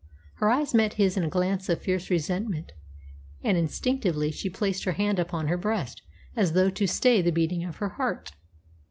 Her eyes met his in a glance of fierce resentment, and instinctively she placed her hand upon her breast, as though to stay the beating of her heart.